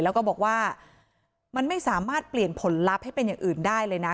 แล้วก็บอกว่ามันไม่สามารถเปลี่ยนผลลัพธ์ให้เป็นอย่างอื่นได้เลยนะ